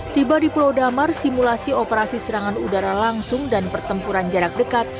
tiba di pulau damar simulasi operasi serangan udara langsung dan pertempuran jarak dekat